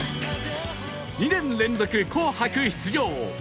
２年連続『紅白』出場